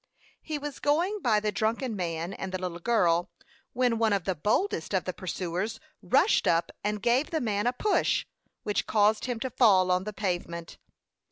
He was going by the drunken man and the little girl, when one of the boldest of the pursuers rushed up and gave the man a push, which caused him to fall on the pavement.